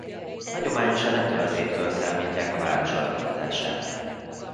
Hagyományosan ettől az évtől számítják a város alapítását.